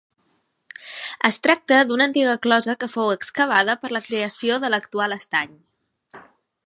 Es tracta d'una antiga closa que fou excavada per la creació de l'actual estany.